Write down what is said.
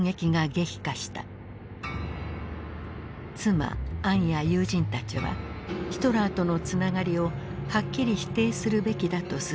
妻・アンや友人たちはヒトラーとのつながりをはっきり否定するべきだと勧めた。